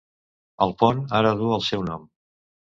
El pont ara duu el seu nom.